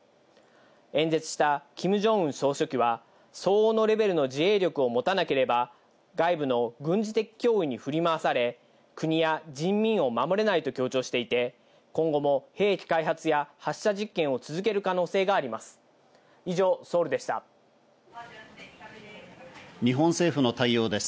演説したキム・ジョンウン総書記は相応のレベルの自衛力を持たなければ、外部の軍事的脅威に振り回され、国や人民を守れないと強調していて、今後も兵器開発や発射実験を続ける可能性があります。